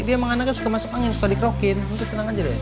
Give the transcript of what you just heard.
dia emang anaknya suka masuk angin suka dikrokin